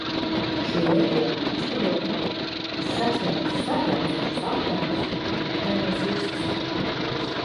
Šī reģiona nestabilitāte, kas sasniegusi satraucošus apmērus, ietekmē mūs visus.